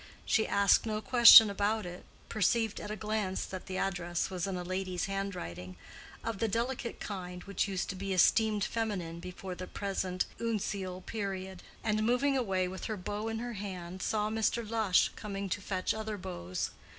She asked no question about it, perceived at a glance that the address was in a lady's handwriting (of the delicate kind which used to be esteemed feminine before the present uncial period), and moving away with her bow in her hand, saw Mr. Lush coming to fetch other bows.